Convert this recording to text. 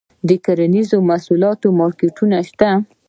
د کرنیزو محصولاتو مارکیټونه شته؟